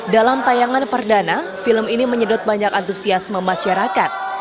dalam tayangan perdana film ini menyedot banyak antusiasme masyarakat